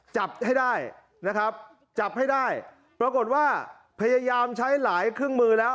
จับให้ได้นะครับจับให้ได้ปรากฏว่าพยายามใช้หลายเครื่องมือแล้ว